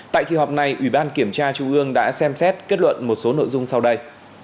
trong hai khi họp này ủy ban kiểm tra trung ương đã xem xét kết luận một số nội dung sau đây